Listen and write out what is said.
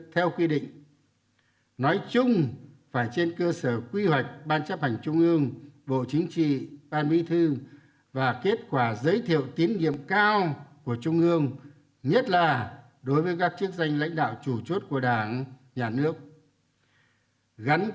một mươi hai trên cơ sở bảo đảm tiêu chuẩn ban chấp hành trung ương khóa một mươi ba cần có số lượng và cơ cấu hợp lý để bảo đảm sự lãnh đạo toàn diện